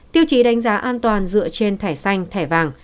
tiêu chí đánh giá an toàn dựa trên thẻ xanh thẻ vàng